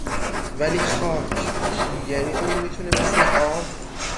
ولی خاک! یعنی اون میتونه مثل آب